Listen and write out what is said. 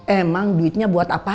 emang duitnya buat apaan